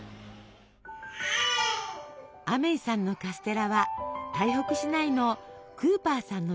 アメイさんのカステラは台北市内のクーパーさんの家へ。